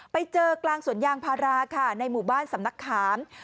ไปเจอกลางสวนยางพาราค่ะในหมู่บ้านสำนักขาม